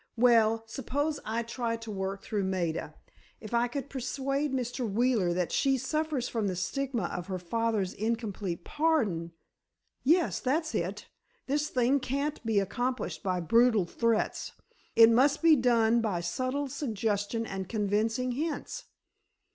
Well, suppose I try to work through Maida. If I could persuade Mr. Wheeler that she suffers from the stigma of her father's incomplete pardon——" "Yes, that's it. This thing can't be accomplished by brutal threats, it must be done by subtle suggestion and convincing hints."